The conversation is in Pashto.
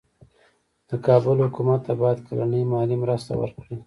د کابل حکومت ته باید کلنۍ مالي مرسته ورکړي.